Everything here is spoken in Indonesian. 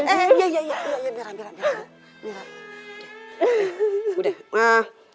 eh eh eh mirah mirah mirah